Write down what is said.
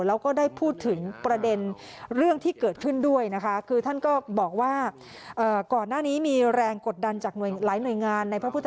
แล้วก็ได้พูดถึงประเด็นเรื่องที่เกิดขึ้นด้วยนะคะ